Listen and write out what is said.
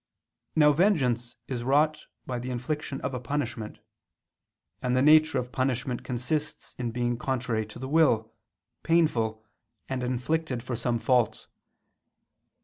Now vengeance is wrought by the infliction of a punishment: and the nature of punishment consists in being contrary to the will, painful, and inflicted for some fault.